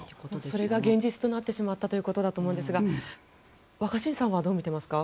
それが現実になってしまったということだと思うんですが若新さんはどう見ていますか？